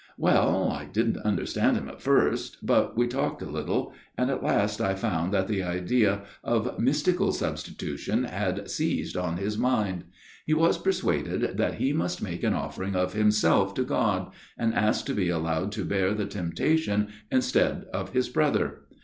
" Well, I didn't understand him at first, but lis ,| iy I MONSIGNOR MAXWELL'S TALE 19 we talked a little, and at last I found that the idea of mystical substitution had seized fflff his minj. jle was persuaded that he must make an offering of himself to God, and ask to be allowed to bear the temptation instead of his brother.